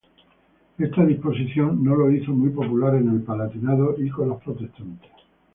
Esta disposición no lo hizo muy popular en el Palatinado y con los protestantes.